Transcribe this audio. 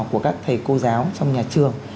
của các thầy cô giáo trong nhà trường